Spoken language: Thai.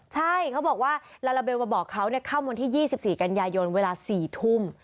ใช่เขาบอกว่าลาลาเบลมาบอกเขาเข้าวันที่๒๔กันยายนเวลา๔ทุ่ม